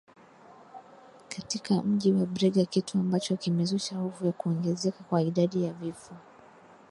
katika mji wa brega kitu ambacho kimezusha hofu ya kuongezeka kwa idadi ya vifo